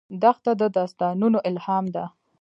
دښته د داستانونو الهام ده.